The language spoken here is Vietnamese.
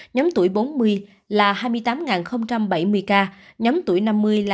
nhóm tuổi bốn mươi là hai mươi tám bảy mươi ca nhóm tuổi năm mươi là hai mươi bảy trăm linh chín ca nhóm tuổi sáu mươi là hai mươi ca